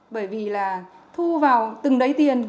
bởi vì là thu vào từng đấy tiền